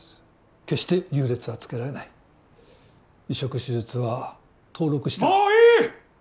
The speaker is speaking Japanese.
決して優劣はつけられない移植手術は登録したもういい！